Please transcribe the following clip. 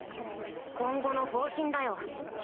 今後の方針だよ。